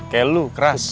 kayak lu keras